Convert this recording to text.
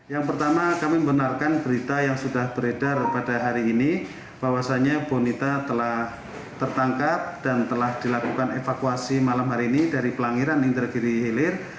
yang pertama kami membenarkan berita yang sudah beredar pada hari ini bahwasannya bonita telah tertangkap dan telah dilakukan evakuasi malam hari ini dari pelangiran indragiri hilir